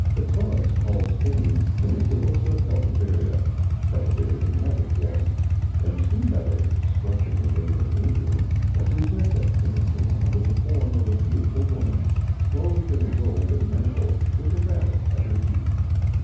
[XIX 103] Catullus calls Spain Cuniculosa Celtiberia (Celtiberian rabbit warren); and two medals, struck in the reign of Adrian, represent that peninsula under the form of a beautiful woman, clothed in a robe and mantle, with a rabbit at her feet.